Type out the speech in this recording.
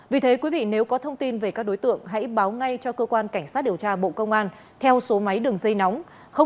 vì thế quý vị nếu có thông tin về các đối tượng hãy báo ngay cho cơ quan cảnh sát điều tra bộ công an theo số máy đường dây nóng sáu mươi chín hai trăm ba mươi bốn năm nghìn tám trăm sáu mươi